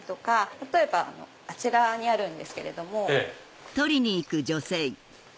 例えばあちらにあるんですけれども。